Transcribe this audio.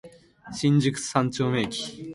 新宿三丁目駅